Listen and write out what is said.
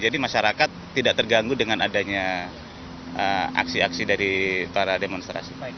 jadi masyarakat tidak terganggu dengan adanya aksi aksi dari para demonstrasi